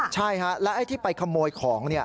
ใช่และที่ไปขโมยของ